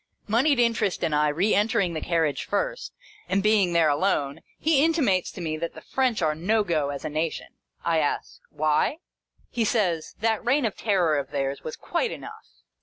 Monied Interest and I re entering the carriage first, and being there alone, he intimates to me that the French are " no go" as a Nation. I ask why ? He says, that Eeign of Terror of theirs was quite enough.